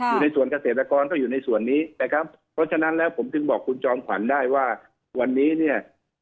อยู่ในส่วนเกษตรกรก็อยู่ในส่วนนี้นะครับเพราะฉะนั้นแล้วผมถึงบอกคุณจอมขวัญได้ว่าวันนี้เนี่ย